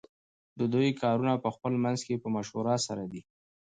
ددوی کارونه پخپل منځ کی په مشوره سره دی .